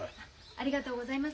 ありがとうございます。